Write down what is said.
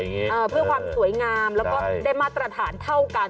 เออเพื่อความสวยงามแล้วก็ได้มาตรฐานเท่ากัน